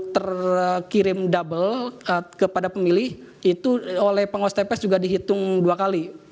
terkirim double kepada pemilih itu oleh penguasa tps juga dihitung dua kali